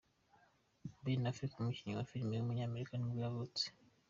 Ben Affleck, umukinnyi wa filime w’umunyamerika ni bwo yavutse.